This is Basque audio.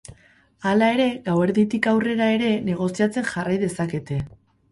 Hala ere, gauerditik aurrera ere negoziatzen jarrai dezakete.